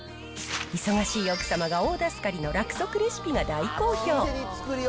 忙しい奥様が大助かりのラク速レシピが大好評。